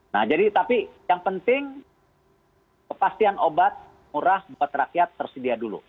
nah jadi tapi yang penting kepastian obat murah buat rakyat tersedia dulu